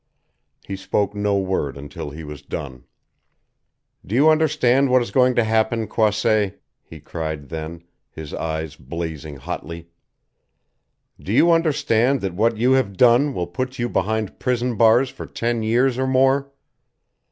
He spoke no word until he was done. "Do you understand what is going to happen Croisset?" he cried then, his eyes blazing hotly. "Do you understand that what you have done will put you behind prison bars for ten years or more?